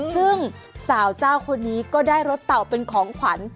ซึ่งสาวเจ้าคนนี้ก็ได้รถเต่าเป็นของขวัญ